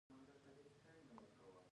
په خبرو اترو کې د ښکیلو اړخونو شمیر مهم دی